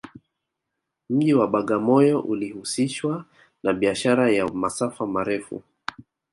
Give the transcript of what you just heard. mji wa bagamoyo ulihusishwa na biashara ya masafa marefu